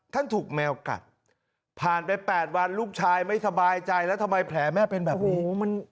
ถูกแมวกัดผ่านไป๘วันลูกชายไม่สบายใจแล้วทำไมแผลแม่เป็นแบบนี้